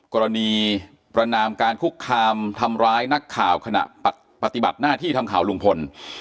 กรณีประนามการคุกคามทำร้ายนักข่าวขณะปฏิบัติหน้าที่ทำข่าวลุงพล